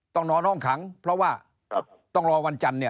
ต้องนอนห้องขังเพราะว่าต้องรอวันจันทร์เนี่ย